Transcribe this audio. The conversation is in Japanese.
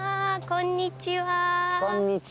こんにちは。